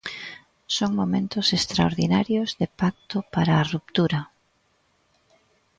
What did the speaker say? Son momentos extraordinarios de pacto para a ruptura.